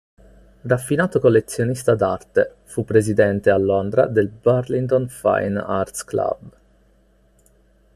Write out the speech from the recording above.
Raffinato collezionista d'arte, fu presidente a Londra del Burlington Fine Arts Club.